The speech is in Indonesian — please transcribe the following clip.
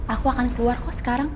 aku akan keluar kok sekarang